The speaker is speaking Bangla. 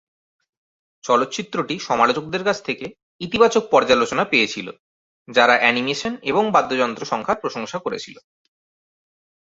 চলচ্চিত্রটি সমালোচকদের কাছ থেকে ইতিবাচক পর্যালোচনা পেয়েছিল, যারা অ্যানিমেশন এবং বাদ্যযন্ত্র সংখ্যার প্রশংসা করেছিল।